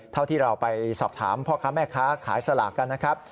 เท่าที่เราไปสอบถามพ่อค้าแม่ค้าขายสลากกันนะครับ